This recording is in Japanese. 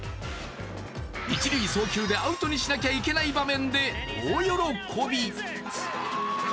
一塁送球でアウトにしなきゃいけない場面で大喜び。